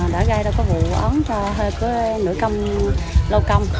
đã gây ra các vụ ón cho hơi cứ nửa công lâu công